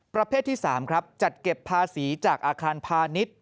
ประเภทที่๓ครับจัดเก็บภาษีจากอาคารพาณิชย์